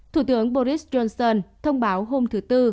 thủ tướng boris johnson đã đặt một bài phát biểu